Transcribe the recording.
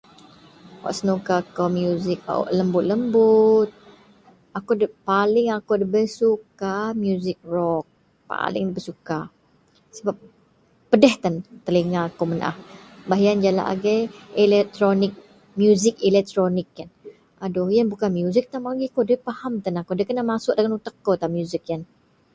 Wak senuka kou muzik wak lembut- lembut. Ako dep paling akou ndabei suka muzik rock, paling ndabei suka sebab pedeh tan telinga kou menaah. Baih yen jalak agei eletronik, muzik eletronik yen aduoh yen bukan muzik tan, [unintelligible] nda fahem tan akou, nda kena masuok dagen uteak kou tan muzik yen